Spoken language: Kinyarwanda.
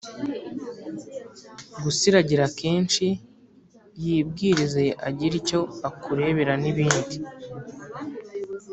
gusiragira kenshi, yibwirize agire icyo akurebera n'ibindi.